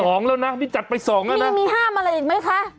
แล้วนะนี่จัดไปสองแล้วนะยังมีห้ามอะไรอีกไหมคะ